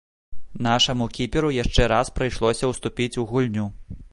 Нашаму кіперу яшчэ раз прыйшлося ўступіць у гульню.